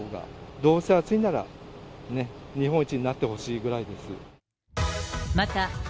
どうせ暑いなら、日本一になってほしいぐらいです。